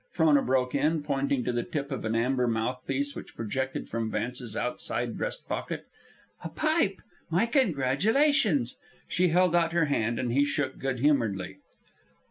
Frona broke in, pointing to the tip of an amber mouth piece which projected from Vance's outside breast pocket. "A pipe! My congratulations." She held out her hand and he shook good humoredly.